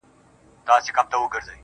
د مودو ستړي پر وجود بـانـدي خـولـه راځي,